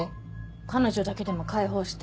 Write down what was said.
彼女だけでも解放して。